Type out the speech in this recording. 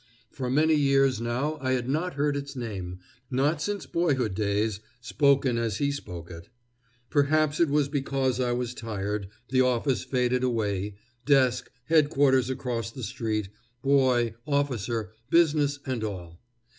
For many years now I had not heard its name not since boyhood days spoken as he spoke it. Perhaps it was because I was tired: the office faded away, desk, Headquarters across the street, boy, officer, business, and all.